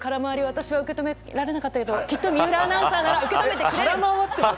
私は受け止められなかったけどきっと水卜アナウンサーなら受け止めてくれる！